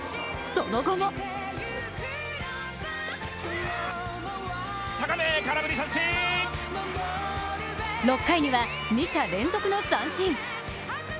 その後も６回には二者連続の三振。